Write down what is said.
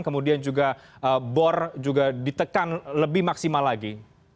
kemudian juga bor juga ditekan lebih maksimal lagi